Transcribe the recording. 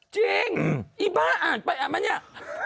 จริงอีบ้าอ่านไปอ่านไหมเนี่ย